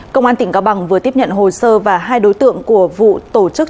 công an tỉnh cao bằng vừa tiếp nhận hồ sơ và hai đối tượng của vụ tổ chức